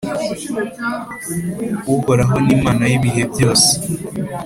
Uhoraho ni Imana y’ibihe byose,